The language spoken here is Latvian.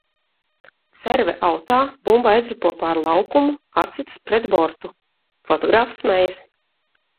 Serve autā, bumba aizripo pār laukumu, atsitas pret bortu. Fotogrāfs smejas.